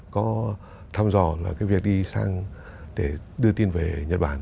có thăm dò là cái việc đi sang để đưa tin về nhật bản